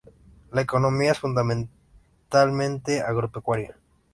La economía es fundamentalmente agropecuaria.